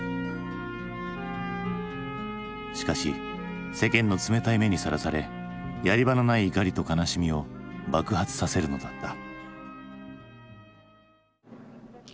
しかし世間の冷たい目にさらされやり場のない怒りと悲しみを爆発させるのだった。